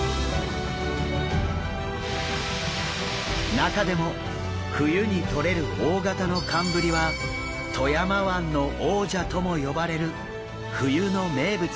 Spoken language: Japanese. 中でも冬にとれる大型の寒ぶりは富山湾の王者とも呼ばれる冬の名物です。